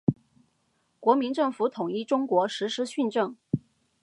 国民政府统一中国，实施训政。